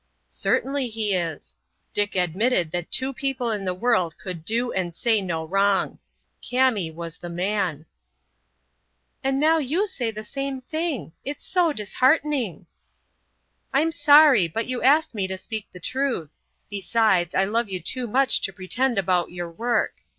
"Certainly he is." Dick admitted that two people in the world could do and say no wrong. Kami was the man. "And now you say the same thing. It's so disheartening." "I'm sorry, but you asked me to speak the truth. Besides, I love you too much to pretend about your work.